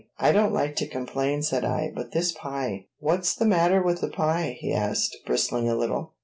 "I don't like to complain," said I; "but this pie " "What's the matter with the pie?" he asked, bristling a little.